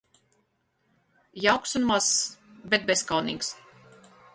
Jauks un mazs, bet bezkaunīgs